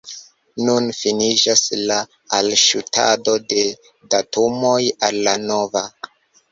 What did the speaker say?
Nun finiĝas la alŝutado de datumoj al la nova.